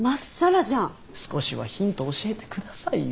少しはヒント教えてくださいよ。